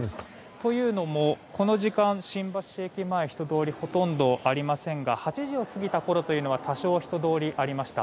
というのもこの時間、新橋駅前人通りほとんどありませんが８時を過ぎたころというのは多少、人通りがありました。